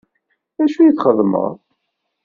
D acu i txeddmeḍ?